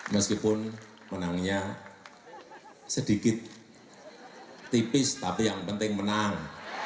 meskipun menangnya sedikit tipis tapi yang penting menang